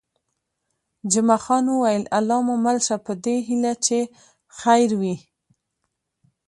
جمعه خان وویل: الله مو مل شه، په دې هیله چې خیر وي.